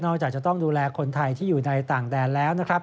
จากจะต้องดูแลคนไทยที่อยู่ในต่างแดนแล้วนะครับ